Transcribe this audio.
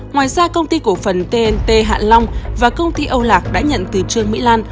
ngoài ra công ty cổ phần tnt hạ long và công ty âu lạc đã nhận từ trương mỹ lan